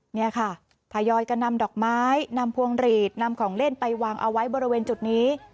เนี่ยค่ะทยอยกันนำดอกไม้นำพวงหลีดนำของเล่นไปวางเอาไว้บริเวณจุดนี้